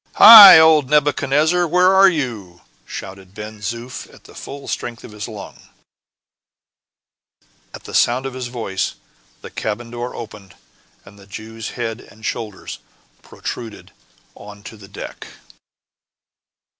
"Hi! old Nebuchadnezzar, where are you?" shouted Ben Zoof, at the full strength of his lungs. At the sound of his voice, the cabin door opened, and the Jew's head and shoulders protruded onto the deck.